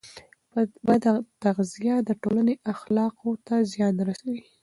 بد تغذیه د ټولنې اخلاقو ته زیان رسوي.